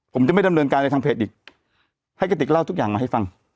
ผมจะไม่ดำเนินการในทางเพจอีกให้กระติกเล่าทุกอย่างมาให้ฟัง